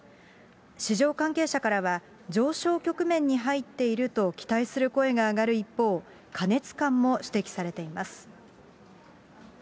市場関係者からは、上昇局面に入っていると期待する声が上がる一方、過熱感も指摘されています。